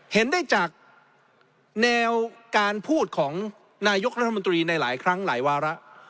เห็นได้จากแนวการพูดของนายกรัฐมนตรีในหลายครั้งหลายวาระ